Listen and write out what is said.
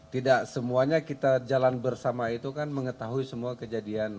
tidak semuanya kita jalan bersama itu kan mengetahui semua kejadian